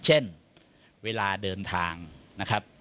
เช่นเวลาเดินทางนะครับ